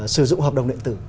sử dụng hợp đồng lệnh tử